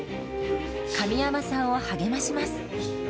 神山さんを励まします。